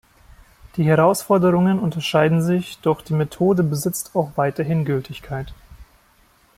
Die Herausforderungen unterscheiden sich, doch die Methode besitzt auch weiterhin Gültigkeit.